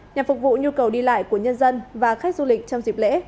nhằm phục vụ nhu cầu đi lại của nhân dân và khách du lịch trong dịp lễ